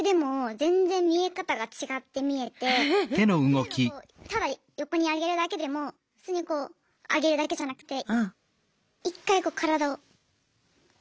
例えばこうただ横に上げるだけでも普通にこう上げるだけじゃなくて１回こう体を通るんですよ。